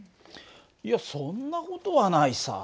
いやそんな事はないさ。